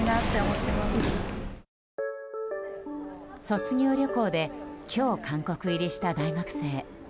卒業旅行で今日、韓国入りした大学生。